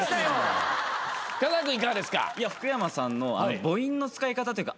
深澤君いかがですか？